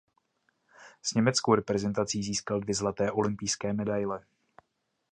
S německou reprezentací získal dvě zlaté olympijské medaile.